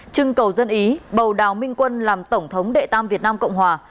trưng cầu dân ý bầu đào minh quân làm tổng thống đệ tam việt nam cộng hòa